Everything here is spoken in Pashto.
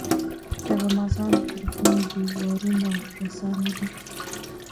د غمازانو پر زړونو دي وارونه رسا نه دي.